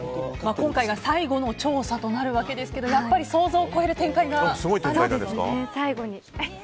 今回が最後の調査となるわけですけどもやっぱり想像を超える展開が。